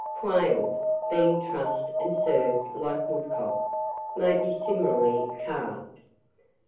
QUAILS, being trussed and served like Woodcock, may be similarly carved.